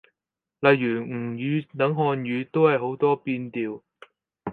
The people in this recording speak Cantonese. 例如吳語等漢語，都係好多變調